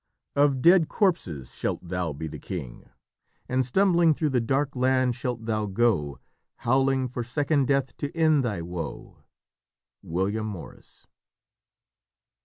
"... Of dead corpses shalt thou be the king, And stumbling through the dark land shalt thou go, Howling for second death to end thy woe." William Morris.